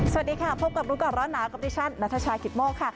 สวัสดีค่ะพบกับรู้ก่อนร้อนหนาวกับดิฉันนัทชายกิตโมกค่ะ